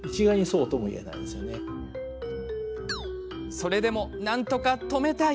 それでも、なんとか止めたい。